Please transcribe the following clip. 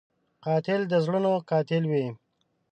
قاتل د زړونو قاتل وي